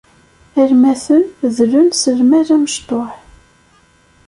Almaten dlen s lmal amecṭuḥ.